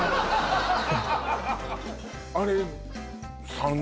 あれ